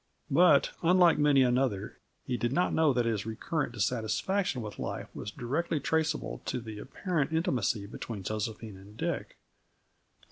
But, unlike many another, he did not know that his recurrent dissatisfaction with life was directly traceable to the apparent intimacy between Josephine and Dick.